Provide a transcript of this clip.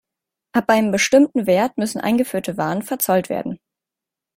Ab einem bestimmten Wert müssen eingeführte Waren verzollt werden.